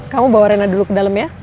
kamu bawa rina dulu ke dalam ya